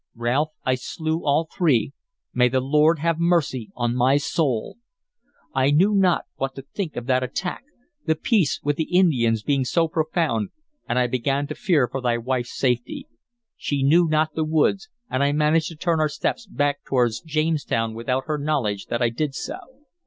Ralph, I slew all three, may the Lord have mercy on my soul! I knew not what to think of that attack, the peace with the Indians being so profound, and I began to fear for thy wife's safety. She knew not the woods, and I managed to turn our steps back toward Jamestown without her knowledge that I did so.